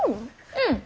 うん。